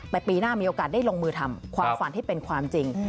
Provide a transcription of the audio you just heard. แต่ปีหน้ามีโอกาสได้ลงมือทำความฝันให้เป็นความจริง